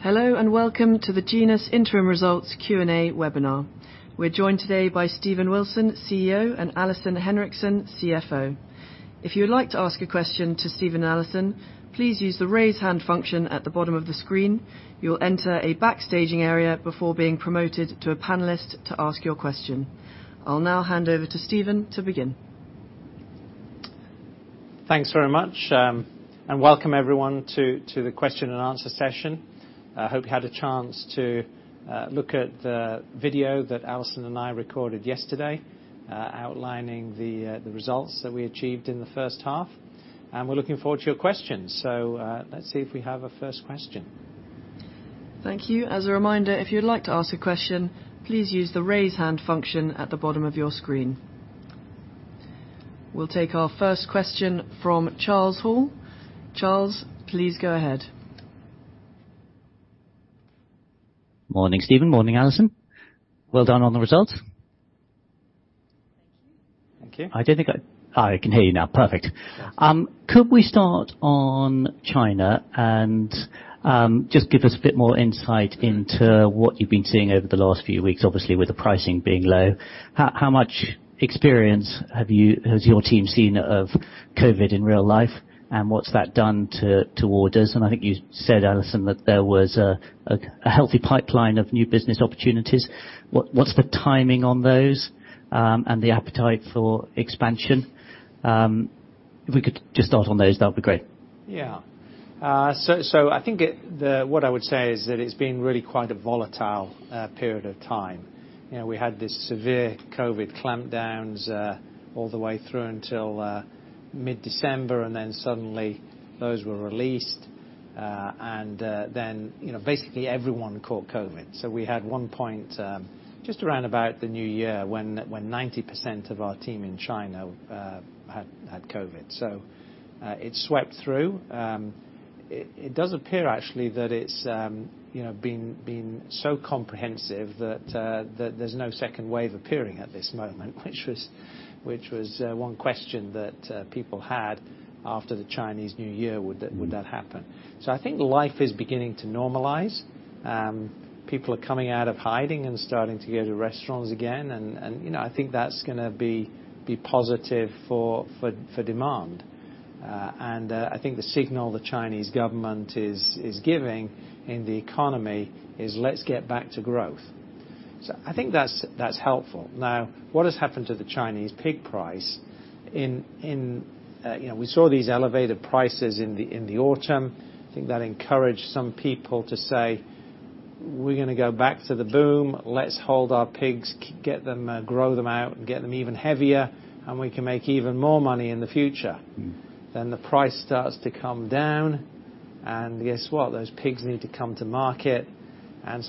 Hello, and welcome to the Genus interim results Q&A webinar. We're joined today by Stephen Wilson, CEO, and Alison Henriksen, CFO. If you would like to ask a question to Stephen and Alison, please use the Raise Hand function at the bottom of the screen. You will enter a back staging area before being promoted to a panelist to ask your question. I'll now hand over to Stephen to begin. Thanks very much, and welcome everyone to the question-and-answer session. I hope you had a chance to look at the video that Alison and I recorded yesterday, outlining the results that we achieved in the first half, and we're looking forward to your questions. Let's see if we have a first question. Thank you. As a reminder, if you'd like to ask a question, please use the Raise Hand function at the bottom of your screen. We'll take our first question from Charles Hall. Charles, please go ahead. Morning, Stephen. Morning, Alison. Well done on the results. Thank you. Thank you. I don't think I can hear you now. Perfect. Could we start on China and just give us a bit more insight into what you've been seeing over the last few weeks, obviously with the pricing being low? How much experience have you, has your team seen of COVID in real life, and what's that done to orders? I think you said, Alison, that there was a healthy pipeline of new business opportunities. What's the timing on those and the appetite for expansion? If we could just start on those, that'd be great. Yeah. I think what I would say is that it's been really quite a volatile period of time. You know, we had this severe COVID clampdowns all the way through until mid-December, and then suddenly those were released, and then, you know, basically everyone caught COVID. We had 1 point just around about the new year when 90% of our team in China had COVID. It swept through. It does appear actually that it's, you know, been so comprehensive that there's no second wave appearing at this moment, which was one question that people had after the Chinese New Year, would that happen. I think life is beginning to normalize. People are coming out of hiding and starting to go to restaurants again, and, you know, I think that's gonna be positive for demand. And, I think the signal the Chinese government is giving in the economy is let's get back to growth. I think that's helpful. Now, what has happened to the Chinese pig price in, you know, we saw these elevated prices in the autumn. I think that encouraged some people to say, "We're gonna go back to the boom. Let's hold our pigs, get them, grow them out and get them even heavier, and we can make even more money in the future. Mm. The price starts to come down, and guess what?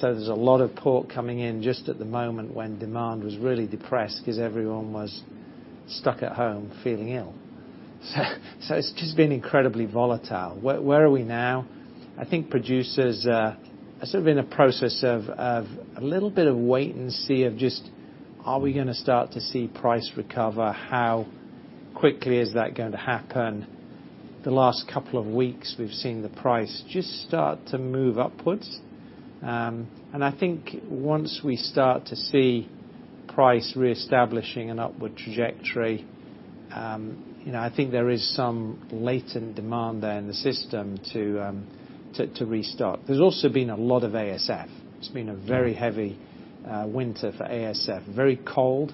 There's a lot of pork coming in just at the moment when demand was really depressed because everyone was stuck at home feeling ill. It's just been incredibly volatile. Where are we now? I think producers are sort of in a process of a little bit of wait and see, of just are we gonna start to see price recover? How quickly is that going to happen? The last couple of weeks we've seen the price just start to move upwards. I think once we start to see price reestablishing an upward trajectory, you know, I think there is some latent demand there in the system to restart. There's also been a lot of ASF. It's been a very heavy winter for ASF. Very cold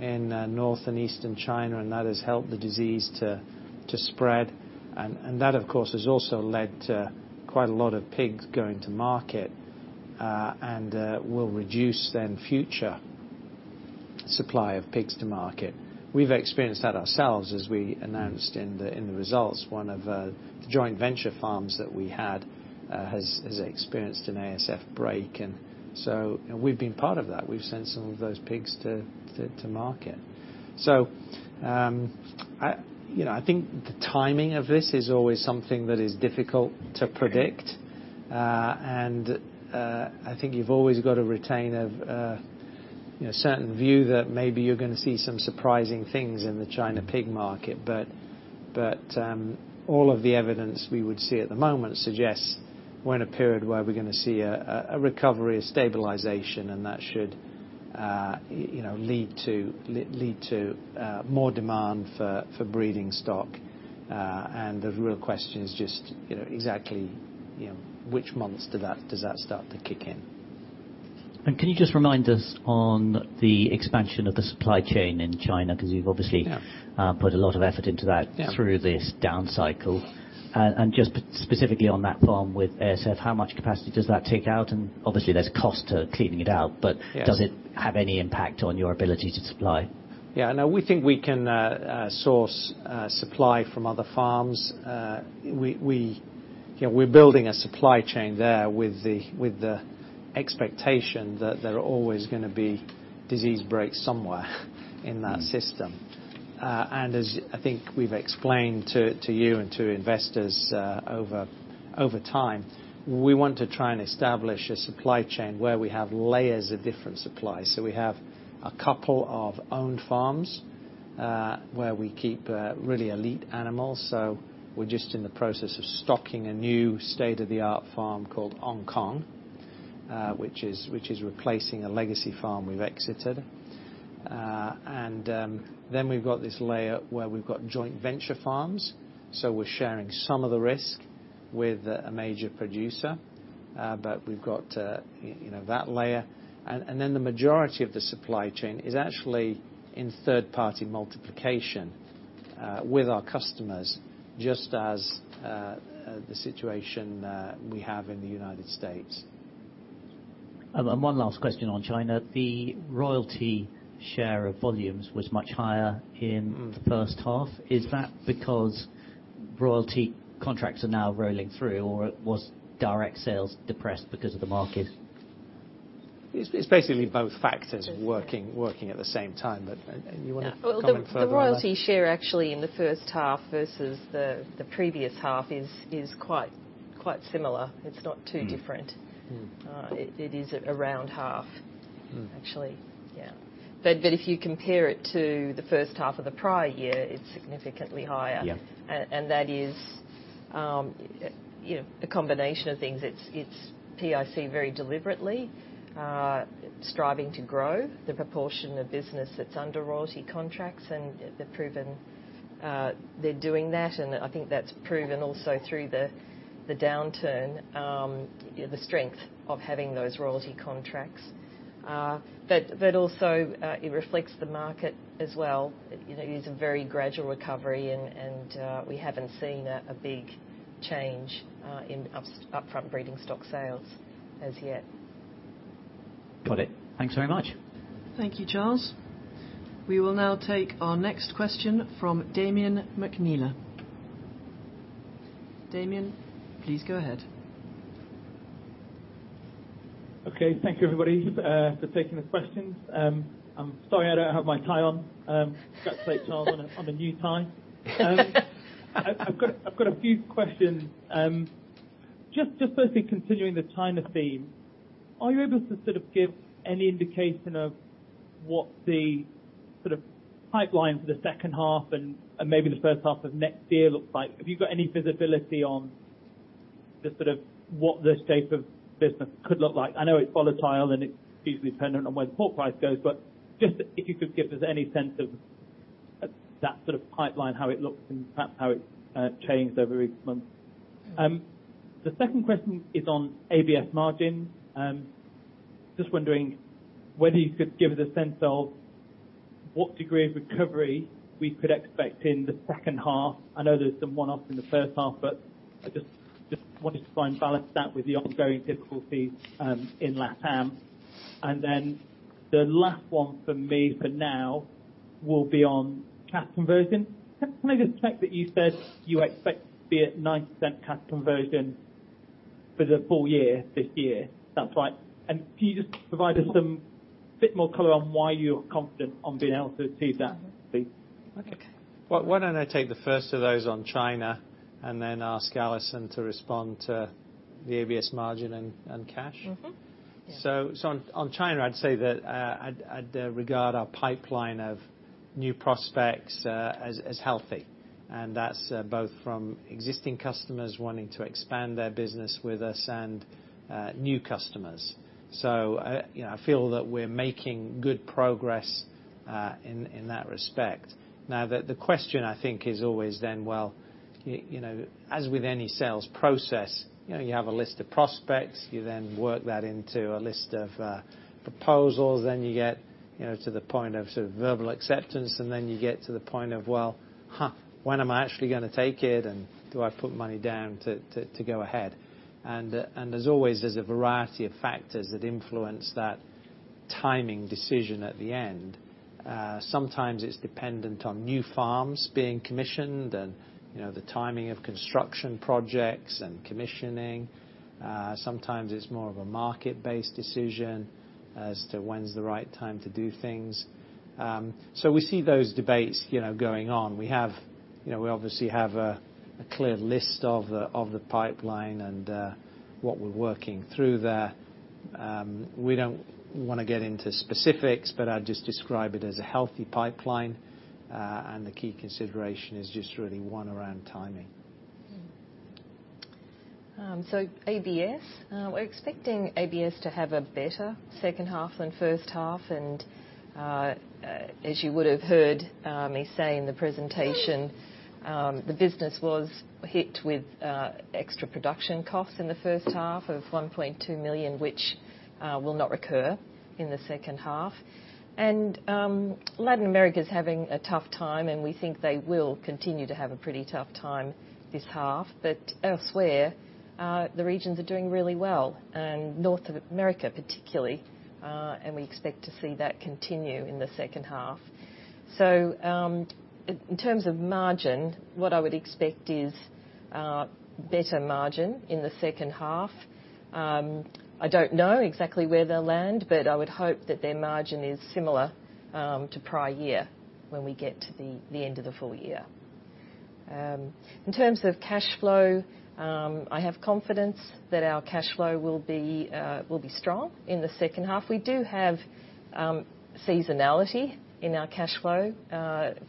in north and eastern China, and that has helped the disease to spread and that, of course, has also led to quite a lot of pigs going to market and will reduce then future supply of pigs to market. We've experienced that ourselves as we announced in the results. One of the joint venture farms that we had has experienced an ASF break, we've been part of that. We've sent some of those pigs to market. I, you know, I think the timing of this is always something that is difficult to predict. I think you've always got to retain a, you know, certain view that maybe you're gonna see some surprising things in the China pig market. All of the evidence we would see at the moment suggests we're in a period where we're gonna see a recovery, a stabilization, and that should, you know, lead to more demand for breeding stock. The real question is just, you know, exactly, you know, which months do that, does that start to kick in. Can you just remind us on the expansion of the supply chain in China? Yeah... put a lot of effort into. Yeah... through this down cycle. Just specifically on that farm with ASF, how much capacity does that take out? And obviously there's cost to cleaning it out- Yeah Does it have any impact on your ability to supply? Yeah, no, we think we can source supply from other farms. We, you know, we're building a supply chain there with the expectation that there are always going to be disease breaks somewhere in that system. And as I think we've explained to you and to investors over time, we want to try and establish a supply chain where we have layers of different supplies. We have a couple of owned farms where we keep really elite animals. We're just in the process of stocking a new state-of-the-art farm called Heigang, which is replacing a legacy farm we've exited. And then we've got this layer where we've got joint venture farms, so we're sharing some of the risk with a major producer. We've got, you know, that layer. The majority of the supply chain is actually in third-party multiplication with our customers, just as the situation we have in the United States. One last question on China. The royalty share of volumes was much higher in. Mm. The first half. Is that because royalty contracts are now rolling through, or was direct sales depressed because of the market? It's basically both factors working at the same time. You wanna comment further on that? Well, the royalty share actually in the first half versus the previous half is quite similar. It's not too different. Mm. It is around half. Mm. Actually, yeah. If you compare it to the first half of the prior year, it's significantly higher. Yeah. That is, you know, a combination of things. It's PIC very deliberately striving to grow the proportion of business that's under royalty contracts, and they've proven they're doing that. I think that's proven also through the downturn, you know, the strength of having those royalty contracts. But also, it reflects the market as well. You know, it is a very gradual recovery and we haven't seen a big change in upfront breeding stock sales as yet. Got it. Thanks very much. Thank you, Charles. We will now take our next question from Damian McPhillips. Damian, please go ahead. Okay. Thank you, everybody, for taking the questions. I'm sorry I don't have my tie on. Congratulate Charles on a new tie. I've got a few questions. Just firstly continuing the China theme, are you able to sort of give any indication of what the sort of pipeline for the second half and maybe the first half of next year looks like? Have you got any visibility on the sort of what the state of business could look like? I know it's volatile, and it's hugely dependent on where the pork price goes, but just if you could give us any sense of that sort of pipeline, how it looks, and perhaps how it changed over each month. The second question is on ABS margin. Just wondering whether you could give us a sense of what degree of recovery we could expect in the second half. I know there's some one-off in the first half, but I just wanted to try and balance that with the ongoing difficulties, in LatAm. Then the last one from me for now will be on cash conversion. Can I just check that you said you expect to be at 9% cash conversion for the full year this year? That's right. Can you just provide us some bit more color on why you're confident on being able to achieve that, please? Okay. Well, why don't I take the first of those on China and then ask Alison to respond to the ABS margin and cash? Mm-hmm. Yeah. On China, I'd say that, I'd regard our pipeline of new prospects as healthy, and that's both from existing customers wanting to expand their business with us and new customers. You know, I feel that we're making good progress in that respect. Now the question I think is always then, well, you know, as with any sales process, you know, you have a list of prospects. You then work that into a list of proposals. Then you get, you know, to the point of sort of verbal acceptance, and then you get to the point of, well, when am I actually gonna take it, and do I put money down to go ahead? As always, there's a variety of factors that influence that timing decision at the end. Sometimes it's dependent on new farms being commissioned and, you know, the timing of construction projects and commissioning. Sometimes it's more of a market-based decision as to when's the right time to do things. We see those debates, you know, going on. We have, you know, we obviously have a clear list of the, of the pipeline and, what we're working through there. We don't wanna get into specifics, but I'd just describe it as a healthy pipeline. The key consideration is just really one around timing. ABS, we're expecting ABS to have a better second half than first half. As you would have heard me say in the presentation, the business was hit with extra production costs in the first half of 1.2 million, which will not recur in the second half. Latin America's having a tough time, and we think they will continue to have a pretty tough time this half. Elsewhere, the regions are doing really well, and North America particularly, and we expect to see that continue in the second half. In terms of margin, what I would expect is better margin in the second half. I don't know exactly where they'll land, but I would hope that their margin is similar to prior year when we get to the end of the full year. In terms of cash flow, I have confidence that our cash flow will be strong in the second half. We do have seasonality in our cash flow,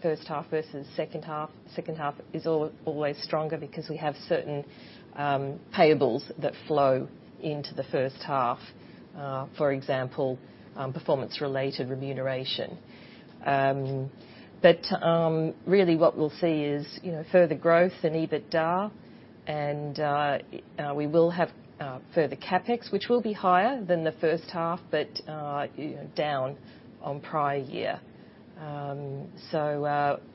first half versus second half. Second half is always stronger because we have certain payables that flow into the first half. For example, performance-related remuneration. But really what we'll see is, you know, further growth in EBITDA, and we will have further CapEx, which will be higher than the first half but, you know, down on prior year.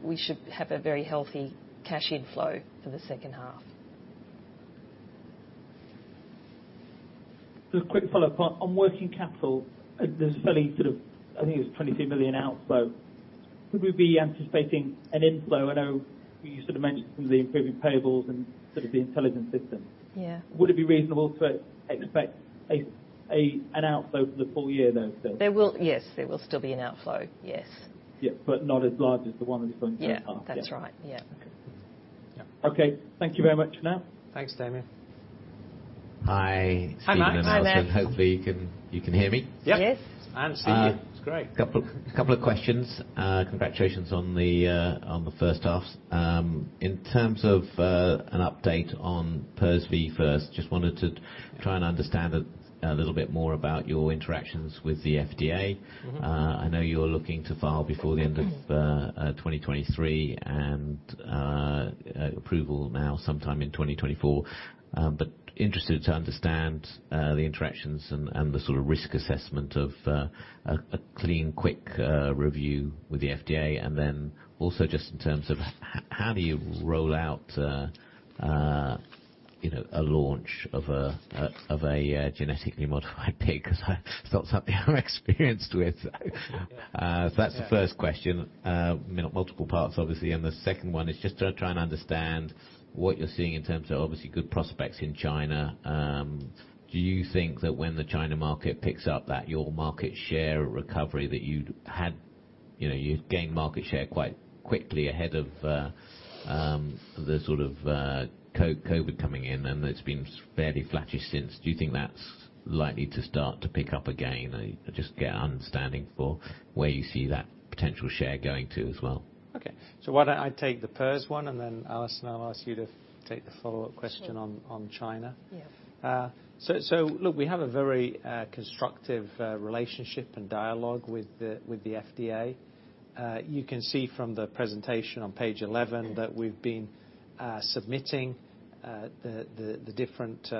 We should have a very healthy cash inflow for the second half. Just a quick follow-up. On working capital, I think it's 22 million outflow. Could we be anticipating an inflow? I know you sort of mentioned some of the improving payables and sort of the intelligent systems. Yeah. Would it be reasonable to expect an outflow for the full year though still? Yes, there will still be an outflow, yes. Yeah, not as large as the one in the front half. Yeah. That's right. Yeah. Okay. Thank you very much for now. Thanks, Damian. Hi. Hi, Matt. Stephen and Alison. Hi, Matt. Hopefully you can hear me. Yes. Yep. I haven't seen you. It's great. Couple of questions. Congratulations on the first half. In terms of an update on PRRSv first, just wanted to try and understand a little bit more about your interactions with the FDA. Mm-hmm. I know you're looking to file before the end of 2023, and approval now sometime in 2024. Interested to understand the interactions and the sort of risk assessment of a clean, quick review with the FDA. Also just in terms of how do you roll out, you know, a launch of a genetically modified pig, 'cause that's not something I'm experienced with. That's the first question. You know, multiple parts obviously. The second one is just to try and understand what you're seeing in terms of obviously good prospects in China. Do you think that when the China market picks up that your market share recovery that you'd had, you know, you'd gained market share quite quickly ahead of the sort of COVID coming in, and it's been fairly flattish since. Do you think that's likely to start to pick up again? I just get an understanding for where you see that potential share going to as well. Okay. Why don't I take the PRRS one, and then Alison, I'll ask you to take the follow-up question on- Sure. on China. Yeah. Look, we have a very constructive relationship and dialogue with the FDA. You can see from the presentation on page 11 that we've been submitting the different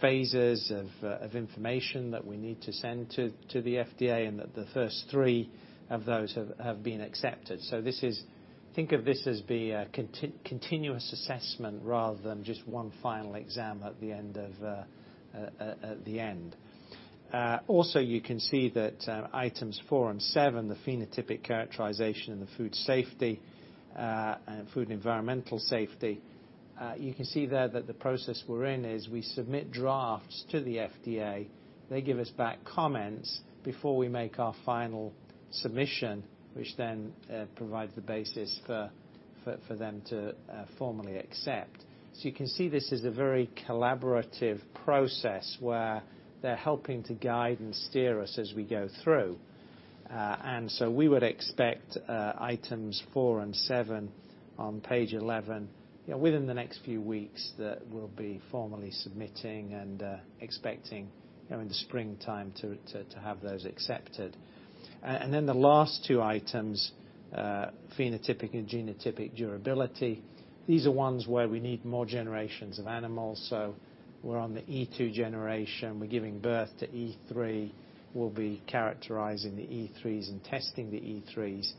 phases of information that we need to send to the FDA, and that the first three of those have been accepted. This is. Think of this as being a continuous assessment rather than just one final exam at the end. You can see that items four and seven, the phenotypic characterization and the food safety and food and environmental safety, you can see there that the process we're in is we submit drafts to the FDA. They give us back comments before we make our final submission, which then provides the basis for them to formally accept. You can see this is a very collaborative process, where they're helping to guide and steer us as we go through. We would expect items four and seven on page 11, you know, within the next few weeks that we'll be formally submitting and expecting, you know, in the springtime to have those accepted. Then the last two items, phenotypic and genotypic durability, these are ones where we need more generations of animals, so we're on the E2 generation. We're giving birth to E3. We'll be characterizing the E3s and testing the E3s.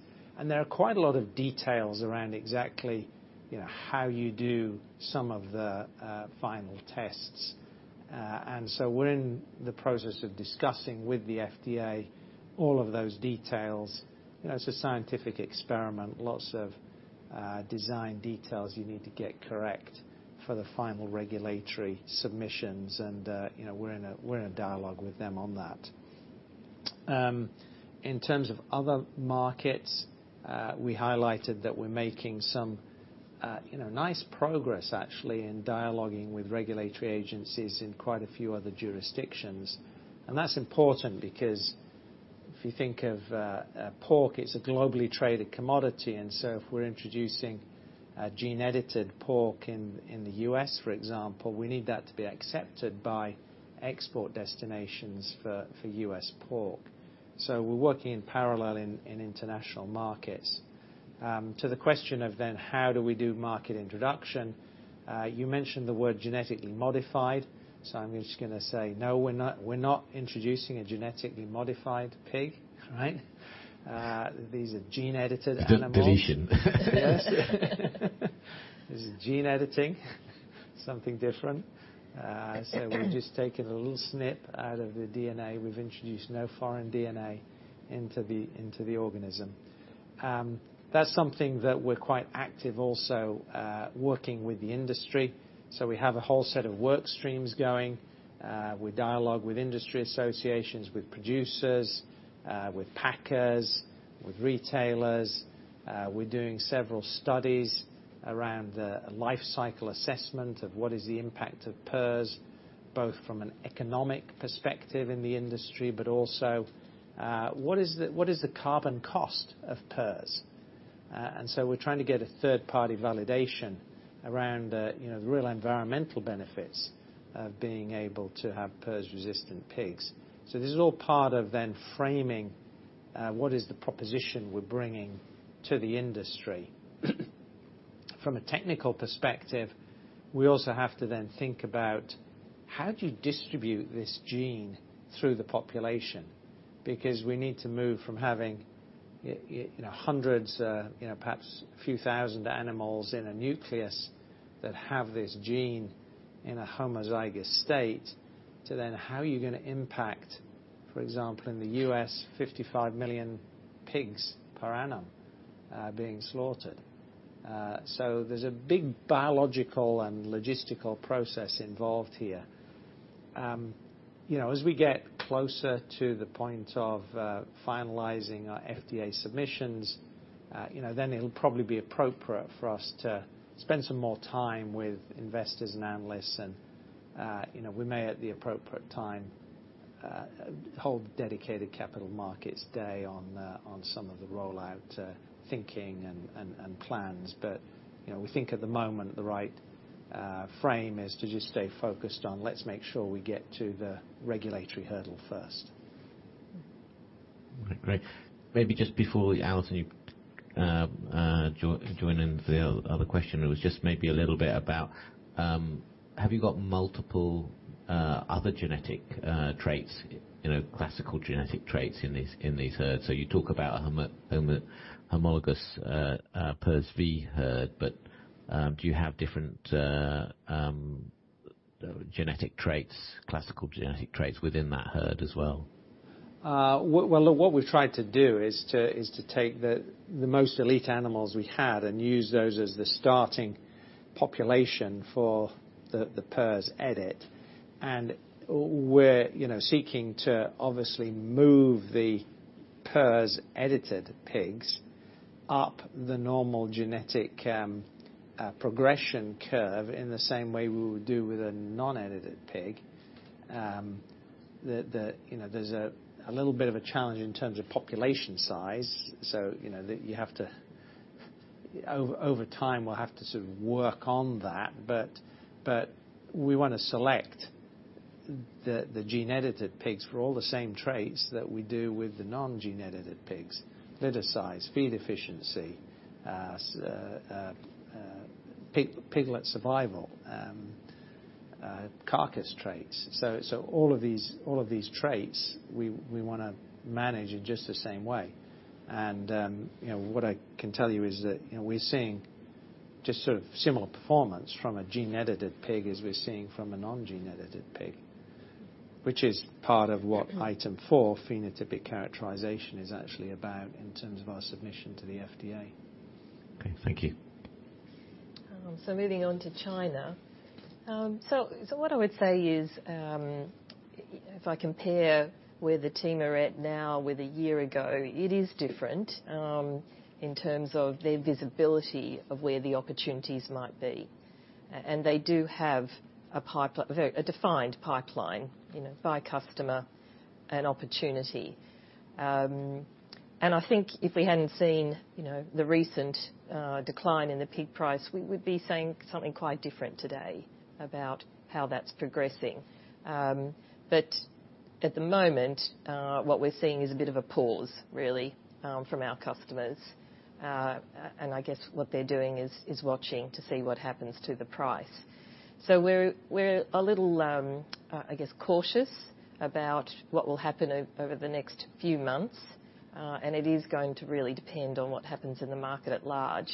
There are quite a lot of details around exactly, you know, how you do some of the final tests. We're in the process of discussing with the FDA all of those details. You know, it's a scientific experiment, lots of design details you need to get correct for the final regulatory submissions. You know, we're in a dialogue with them on that. In terms of other markets, we highlighted that we're making some, you know, nice progress actually in dialoguing with regulatory agencies in quite a few other jurisdictions. That's important because if you think of pork, it's a globally traded commodity, if we're introducing a gene-edited pork in the US, for example, we need that to be accepted by export destinations for US pork. We're working in parallel in international markets. To the question of then how do we do market introduction, you mentioned the word genetically modified, so I'm just gonna say, no, we're not, we're not introducing a genetically modified pig. These are gene-edited animals. De-deletion. Yes. This is gene-editing, something different. We're just taking a little snip out of the DNA. We've introduced no foreign DNA into the organism. That's something that we're quite active also, working with the industry. We have a whole set of work streams going. We dialogue with industry associations, with producers, with packers, with retailers. We're doing several studies around, life cycle assessment of what is the impact of PRRS, both from an economic perspective in the industry, but also, what is the carbon cost of PRRS? We're trying to get a third-party validation around, you know, the real environmental benefits of being able to have PRRS-resistant pigs. This is all part of then framing, what is the proposition we're bringing to the industry. From a technical perspective, we also have to then think about how do you distribute this gene through the population? We need to move from having, you know, hundreds, you know, perhaps a few thousand animals in a nucleus that have this gene in a homozygous state to then how are you gonna impact, for example, in the US, 55 million pigs per annum being slaughtered. There's a big biological and logistical process involved here. You know, as we get closer to the point of finalizing our FDA submissions, you know, it'll probably be appropriate for us to spend some more time with investors and analysts and, you know, we may at the appropriate time hold dedicated capital markets day on the, on some of the rollout, thinking and plans. You know, we think at the moment, the right frame is to just stay focused on, let's make sure we get to the regulatory hurdle first. Great. Maybe just before, Alison, you join in the other question. It was just maybe a little bit about, have you got multiple other genetic traits, you know, classical genetic traits in these herds? You talk about homologous PRRSv herd. Do you have different genetic traits, classical genetic traits within that herd as well? Well, look, what we've tried to do is to take the most elite animals we had and use those as the starting population for the PRRS edit. We're, you know, seeking to obviously move the PRRS-edited pigs up the normal genetic progression curve in the same way we would do with a non-edited pig. The, you know, there's a little bit of a challenge in terms of population size. You know, you have to. Over time, we'll have to sort of work on that. We wanna select the gene-edited pigs for all the same traits that we do with the non-gene-edited pigs: litter size, feed efficiency, piglet survival, carcass traits. All of these, all of these traits, we wanna manage in just the same way. You know, what I can tell you is that, you know, we're seeing just sort of similar performance from a gene-edited pig as we're seeing from a non-gene-edited pig, which is part of what item 4, phenotypic characterization, is actually about in terms of our submission to the FDA. Okay. Thank you. Moving on to China. What I would say is, if I compare where the team are at now with a year ago, it is different in terms of their visibility of where the opportunities might be. They do have a very, a defined pipeline, you know, by customer and opportunity. I think if we hadn't seen, you know, the recent decline in the pig price, we would be saying something quite different today about how that's progressing. At the moment, what we're seeing is a bit of a pause really from our customers. I guess what they're doing is watching to see what happens to the price. We're a little, I guess cautious about what will happen over the next few months, and it is going to really depend on what happens in the market at large.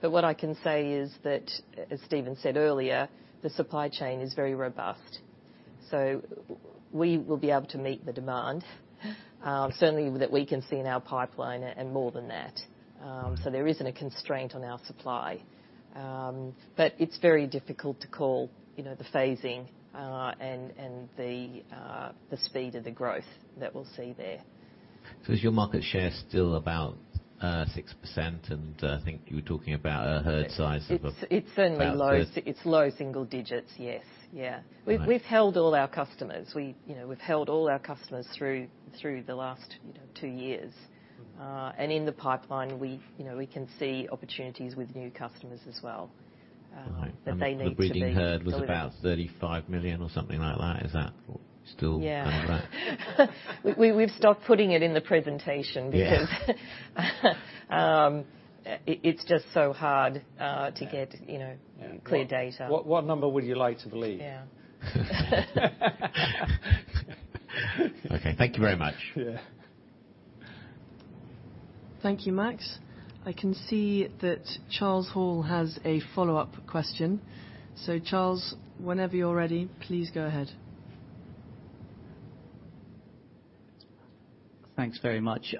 What I can say is that, as Stephen said earlier, the supply chain is very robust. We will be able to meet the demand, certainly that we can see in our pipeline and more than that. There isn't a constraint on our supply. It's very difficult to call, you know, the phasing, and the speed of the growth that we'll see there. Is your market share still about, 6%? I think you were talking about a herd size. It's certainly. About- It's low single digits, yes. Yeah. Right. We've held all our customers. We, you know, we've held all our customers through the last, you know, two years. In the pipeline, we've, you know, we can see opportunities with new customers as well. Right. The breeding herd was about 35 million or something like that. Is that still kind of right? Yeah. We've stopped putting it in the presentation because- Yeah It's just so hard, to get, you know, clear data. What number would you like to believe? Yeah. Okay. Thank you very much. Yeah. Thank you, Matt. I can see that Charles Hall has a follow-up question. Charles, whenever you're ready, please go ahead. Thanks very much.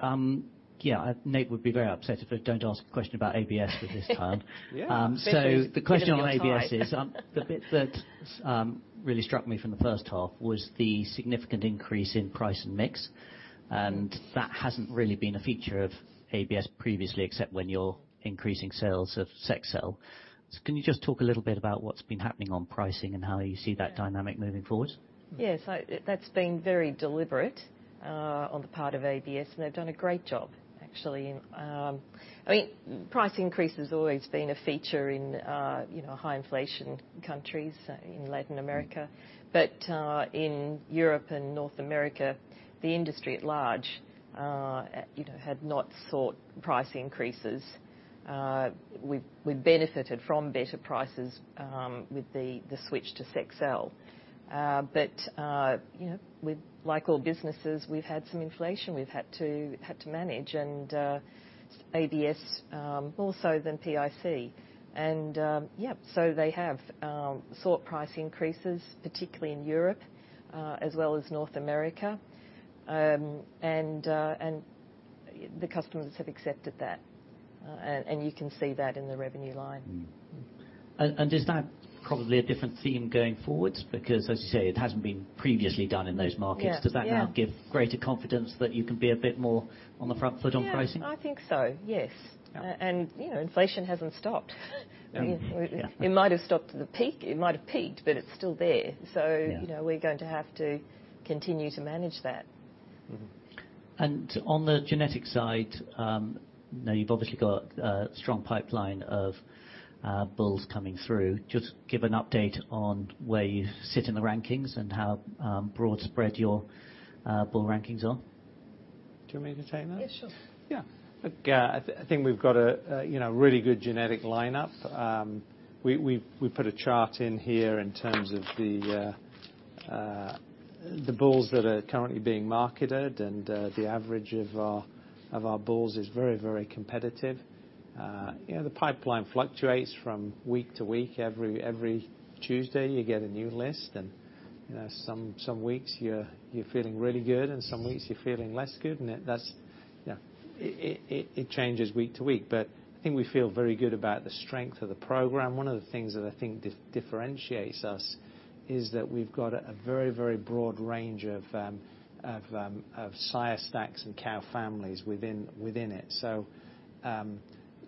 Yeah, Nate would be very upset if I don't ask a question about ABS this time. The question on ABS is, the bit that really struck me from the first half was the significant increase in price and mix, and that hasn't really been a feature of ABS previously, except when you're increasing sales of Sexcel. Can you just talk a little bit about what's been happening on pricing and how you see that dynamic moving forward? Yes. That's been very deliberate on the part of ABS, and they've done a great job, actually. I mean, price increase has always been a feature in, you know, high inflation countries in Latin America. In Europe and North America, the industry at large, you know, had not sought price increases. We've benefited from better prices with the switch to Sexcel. You know, with like all businesses, we've had some inflation we've had to manage, and ABS, more so than PIC. Yeah, they have sought price increases, particularly in Europe, as well as North America. The customers have accepted that, and you can see that in the revenue line. Mm-hmm. And is that probably a different theme going forward? Because as you say, it hasn't been previously done in those markets. Yeah, yeah. Does that now give greater confidence that you can be a bit more on the front foot on pricing? Yeah. I think so, yes. Yeah. You know, inflation hasn't stopped. No. Yeah. It might have stopped at the peak. It might have peaked, but it's still there. Yeah. you know, we're going to have to continue to manage that. On the genetic side, now you've obviously got a strong pipeline of bulls coming through. Just give an update on where you sit in the rankings and how broad spread your bull rankings are? Do you want me to take that? Yeah, sure. Yeah. Look, I think we've got a, you know, really good genetic lineup. We put a chart in here in terms of the bulls that are currently being marketed, the average of our bulls is very, very competitive. You know, the pipeline fluctuates from week to week. Every Tuesday, you get a new list, you know, some weeks you're feeling really good, and some weeks you're feeling less good. That's, you know, it changes week to week. I think we feel very good about the strength of the program. One of the things that I think differentiates us is that we've got a very, very broad range of sire stack and cow families within it.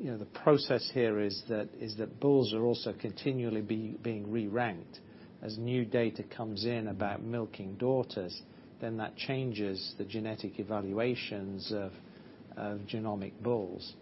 You know, the process here is that bulls are also continually being re-ranked. As new data comes in about milking daughters, then that changes the genetic evaluations of genomic bulls.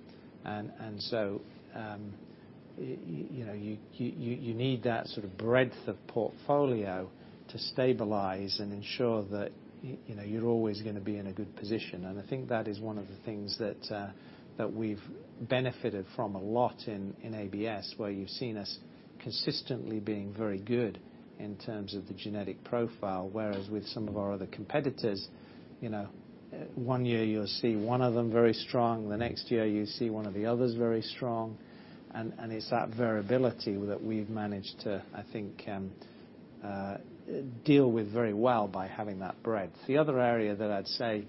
You know, you need that sort of breadth of portfolio to stabilize and ensure that, you know, you're always gonna be in a good position. I think that is one of the things that we've benefited from a lot in ABS, where you've seen us consistently being very good in terms of the genetic profile. Whereas with some of our other competitors, you know, one year you'll see one of them very strong. The next year, you see one of the others very strong. It's that variability that we've managed to, I think, deal with very well by having that breadth. The other area that I'd say,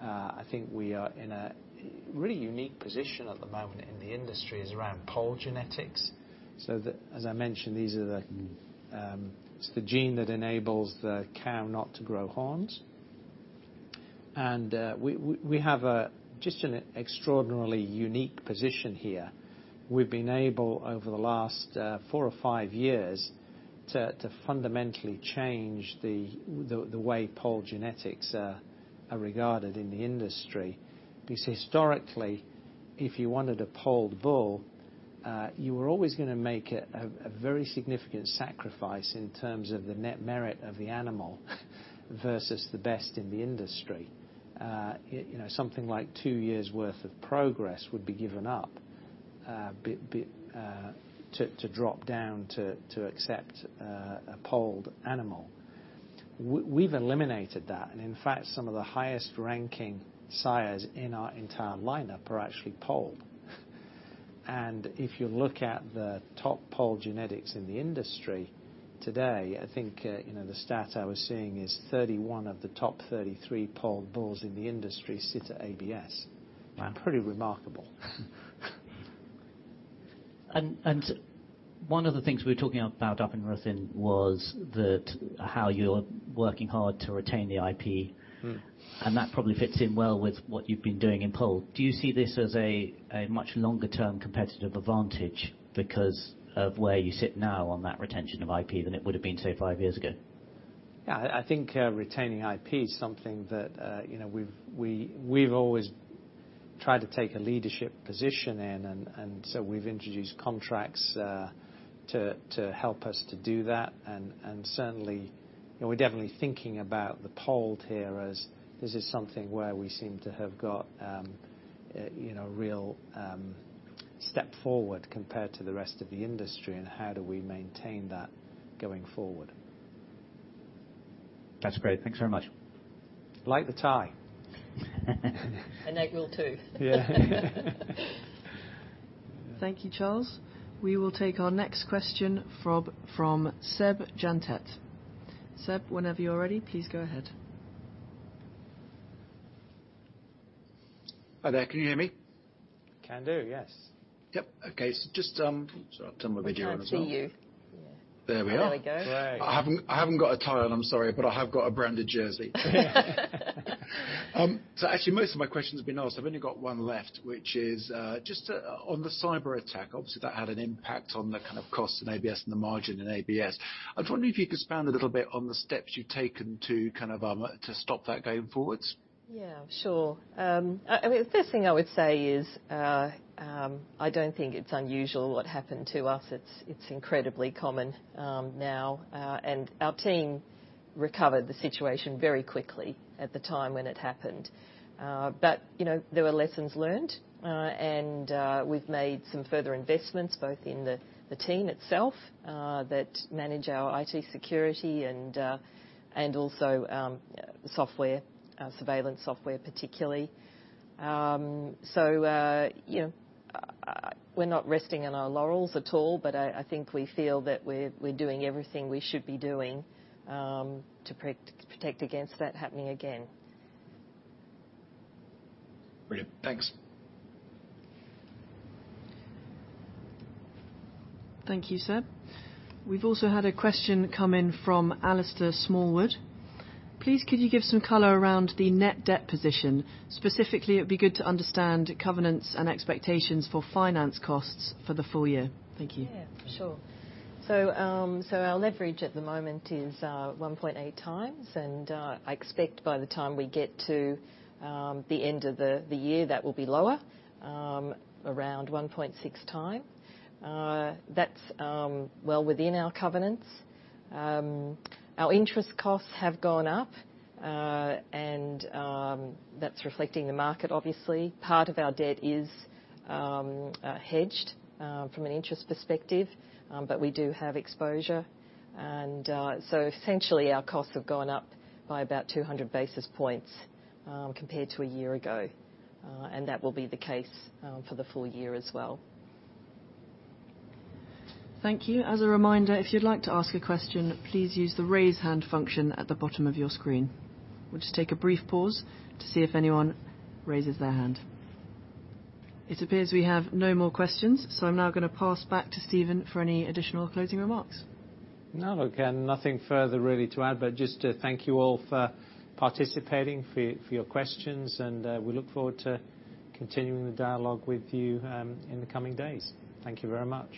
I think we are in a really unique position at the moment in the industry is around polled genetics. As I mentioned, these are the, it's the gene that enables the cow not to grow horns. We have a, just an extraordinarily unique position here. We've been able, over the last, four or five years to fundamentally change the way polled genetics are regarded in the industry. Historically, if you wanted a polled bull, you were always gonna make a very significant sacrifice in terms of the Net Merit of the animal versus the best in the industry. You know, something like two years worth of progress would be given up to accept a polled animal. We've eliminated that. In fact, some of the highest-ranking sires in our entire lineup are actually polled. If you look at the top polled genetics in the industry today, I think, you know, the stat I was seeing is 31 of the top 33 polled bulls in the industry sit at ABS. Wow. Pretty remarkable. One of the things we were talking about up in Ruthin was that how you're working hard to retain the IP. Mm-hmm. That probably fits in well with what you've been doing in polled. Do you see this as a much longer-term competitive advantage because of where you sit now on that retention of IP than it would have been, say, five years ago? Yeah. I think, retaining IP is something that, you know, we've always tried to take a leadership position in, and so we've introduced contracts to help us to do that. Certainly, you know, we're definitely thinking about the polled here as this is something where we seem to have got, you know, real step forward compared to the rest of the industry, and how do we maintain that going forward. That's great. Thanks very much. I like the tie. Nate will too. Yeah. Thank you, Charles. We will take our next question from Sebastien Jantet. Seb, whenever you're ready, please go ahead. Hi there. Can you hear me? Can do, yes. Yep, okay. Just turn my video on as well. We can't see you. There we are. There we go. Great. I haven't got a tie on, I'm sorry. I have got a branded jersey. Actually most of my questions have been asked. I've only got one left, which is just on the cyberattack, obviously, that had an impact on the kind of cost in ABS and the margin in ABS. I was wondering if you could expand a little bit on the steps you've taken to kind of to stop that going forwards. Yeah, sure. I mean, the first thing I would say is, I don't think it's unusual what happened to us. It's incredibly common, now. Our team recovered the situation very quickly at the time when it happened. But, you know, there were lessons learned. And, we've made some further investments both in the team itself, that manage our IT security and also, software, surveillance software particularly. So, you know, we're not resting on our laurels at all, but I think we feel that we're doing everything we should be doing, to protect against that happening again. Brilliant. Thanks. Thank you, Seb. We've also had a question come in from Alistair Smallwood: Please, could you give some color around the net debt position? Specifically, it'd be good to understand covenants and expectations for finance costs for the full year. Thank you. Yeah. Sure. So, so our leverage at the moment is 1.8x, and I expect by the time we get to the end of the year, that will be lower, around 1.6x. That's well within our covenants. Our interest costs have gone up, and that's reflecting the market obviously. Part of our debt is hedged from an interest perspective, but we do have exposure. Essentially, our costs have gone up by about 200 basis points compared to a year ago. That will be the case for the full year as well. Thank you. As a reminder, if you'd like to ask a question, please use the Raise Hand function at the bottom of your screen. We'll just take a brief pause to see if anyone raises their hand. It appears we have no more questions, so I'm now gonna pass back to Stephen for any additional closing remarks. No, okay. Nothing further really to add, but just to thank you all for participating, for your questions, and we look forward to continuing the dialogue with you in the coming days. Thank you very much.